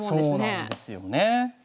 そうなんですよね。